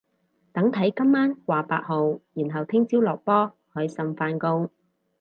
等睇今晚掛八號然後聽朝落波開心返工